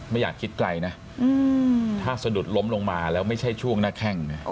ไม่อยากคิดไกลนะถ้าสะดุดล้มลงมาแล้วไม่ใช่ช่วงหน้าแข้งเนี่ย